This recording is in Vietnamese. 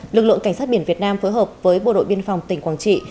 lực lượng cảnh sát biển việt nam phối hợp với bộ đội biên phòng tỉnh quảng trị